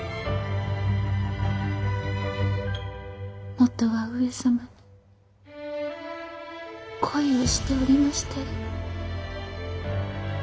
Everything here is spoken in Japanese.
もとは上様に恋をしておりましたよ。